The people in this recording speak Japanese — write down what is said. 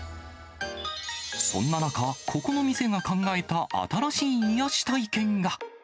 そんな中、ここの店が考えた新しい癒やし体験が。